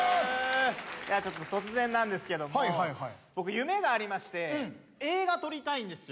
突然なんですけども僕夢がありまして映画撮りたいんですよ。